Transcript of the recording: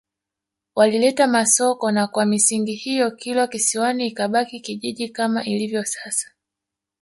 Walileta Masoko na kwa misingi hiyo Kilwa Kisiwani ikabaki kijiji kama ilivyo sasa